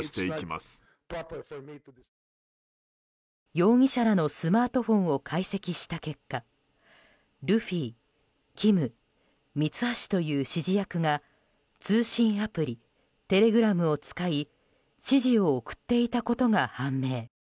容疑者らのスマートフォンを解析した結果ルフィ、キム、ミツハシという指示役が通信アプリテレグラムを使い指示を送っていたことが判明。